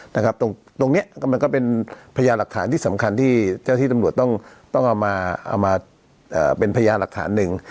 ตรงนี้มันก็เป็นพยาหลักฐานที่สำคัญที่เจ้าที่ตำรวจต้องเอามาเป็นพยานหลักฐานหนึ่ง